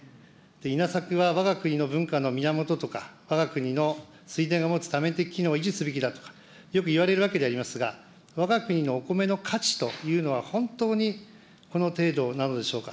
稲作はわが国の文化の源とか、わが国の水田が持つ多面的機能を維持するべきだとか、よくいわれるわけでありますが、わが国のお米の価値というのは、本当にこの程度なのでしょうか。